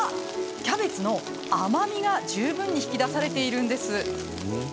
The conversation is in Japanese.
キャベツの甘みが十分に引き出されているんです。